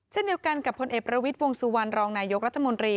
เช่นเดียวกันกับพลเอกประวิทย์วงสุวรรณรองนายกรัฐมนตรี